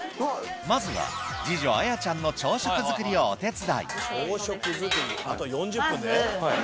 まずは次女アヤちゃんの朝食作りをお手伝いまず。